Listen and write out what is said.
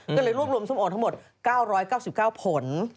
ก็เลยรวบรวมส้มโอทั้งหมด๙๙๙ผล